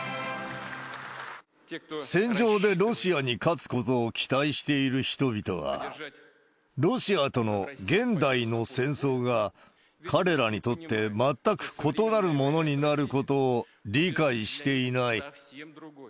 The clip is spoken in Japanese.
戦場でロシアに勝つことを期待している人々は、ロシアとの現代の戦争が、彼らにとって全く異なるものになることを理解していない。